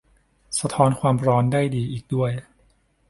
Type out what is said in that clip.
สะท้อนความร้อนได้ดีอีกด้วย